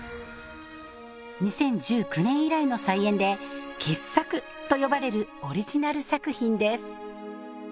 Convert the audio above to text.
２０１９年以来の再演で「傑作」と呼ばれるオリジナル作品です